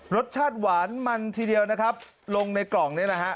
รสชาติหวานมันทีเดียวนะครับลงในกล่องนี้นะฮะ